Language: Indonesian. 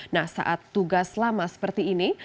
nah saat tugas lama seperti ini